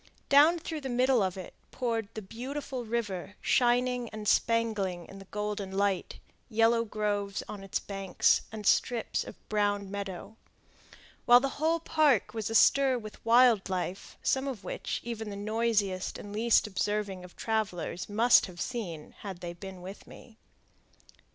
Down through the middle of it poured the beautiful river shining and spangling in the golden light, yellow groves on its banks, and strips of brown meadow; while the whole park was astir with wild life, some of which even the noisiest and least observing of travelers must have seen had they been with me.